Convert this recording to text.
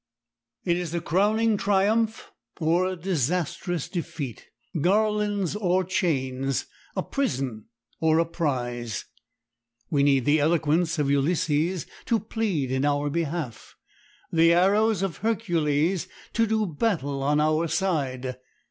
It is a crowning triumph or a disastrous defeat, garlands or chains, a prison or a prize. We need the eloquence of Ulysses to plead in our behalf, the arrows of Hercules to do battle on our side.